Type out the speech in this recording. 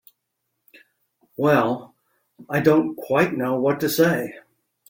Well—I don't quite know what to say.